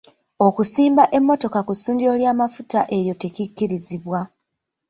Okusimba emmotoka ku ssundiro ly'amafuta eryo tekikkirizibwa.